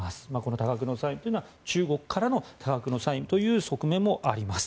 多額の債務というのは中国からの多額の債務という側面もあります。